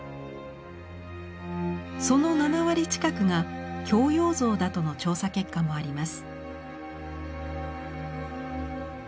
その７割近くが孝養像だとの調査結果もあります。